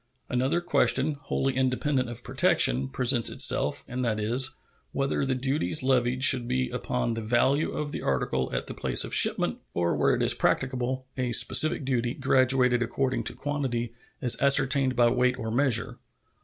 Another question, wholly independent of protection, presents itself, and that is, whether the duties levied should be upon the value of the article at the place of shipment, or, where it is practicable, a specific duty, graduated according to quantity, as ascertained by weight or measure.